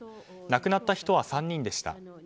亡くなった人は３人でした。